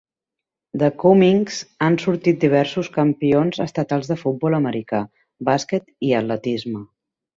De Cummings han sorgit diversos campions estatals de futbol americà, bàsquet i atletisme.